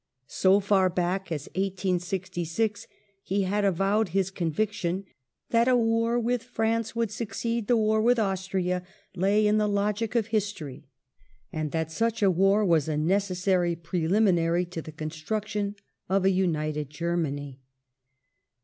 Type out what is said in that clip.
So far back as 1866 he had avowed his conviction '* that a war with France would succeed the war with Austria lay in the logic of history," and that such a war was a necessary preliminary to. the construction of a United Germany.